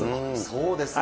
そうですか。